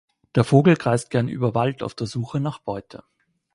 Der Vogel kreist gern über Wald auf der Suche nach Beute.